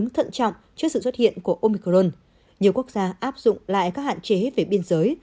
trước sự xuất hiện của omicron nhiều quốc gia áp dụng lại các hạn chế về biên giới